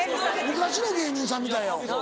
昔の芸人さんみたいやわ。